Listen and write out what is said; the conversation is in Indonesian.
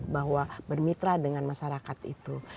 bahwa bermitra dengan masyarakat itu